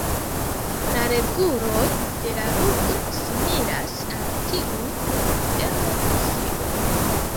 La reguloj de la ludo similas al tiuj de la moderna versio.